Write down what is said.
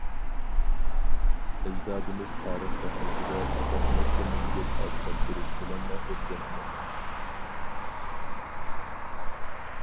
ئەجدادىمىز تارىخ سەھنىسىدە پەقەت نەچچە مىڭ يىل ئات چاپتۇرۇش بىلەنلا ئۆتكەن ئەمەس.